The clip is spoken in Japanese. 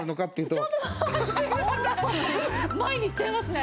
前に行っちゃいますね。